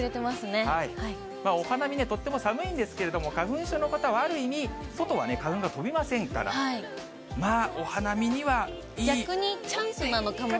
お花見、とっても寒いんですけれども、花粉症の方はある意味、外は花粉が飛びませんから、逆にチャンスなのかもしれま